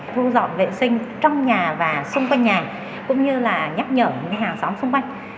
thu dọn vệ sinh trong nhà và xung quanh nhà cũng như là nhắc nhở những hàng xóm xung quanh